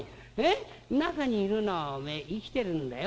中にいるのはおめえ生きてるんだよ。